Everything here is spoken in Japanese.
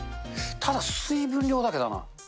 ただ、水分量だけだな。